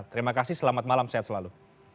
terima kasih selamat malam sehat selalu